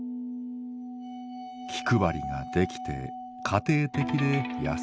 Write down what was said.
気配りができて家庭的で優しい。